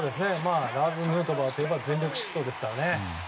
ラーズ・ヌートバーといえば全力疾走ですからね。